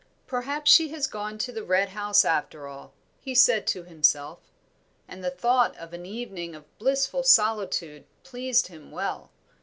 "Perhaps she has gone to the Red House after all," he said to himself. And the thought of an evening of blissful solitude pleased him well.